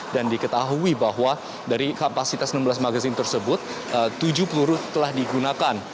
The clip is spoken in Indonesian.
dan diketahui bahwa dari kapasitas enam belas magazin tersebut tujuh peluru telah digunakan